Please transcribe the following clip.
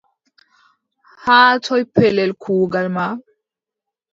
Haa toy pellel kuugal ma ?